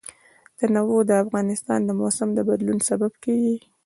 تنوع د افغانستان د موسم د بدلون سبب کېږي.